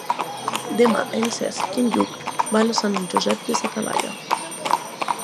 Demà en Cesc i en Lluc van a Sant Josep de sa Talaia.